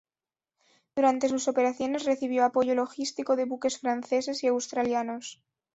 Durante sus operaciones recibió apoyo logístico de buques franceses y australianos.